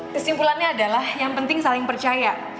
kesimpulannya adalah yang penting saling percaya